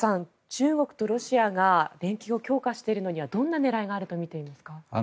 中国とロシアが連携を強化しているのにはどんな狙いがあるとみていますか。